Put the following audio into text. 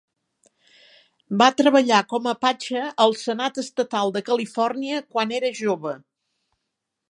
Va treballar com a patge al Senat Estatal de Califòrnia quan era jove.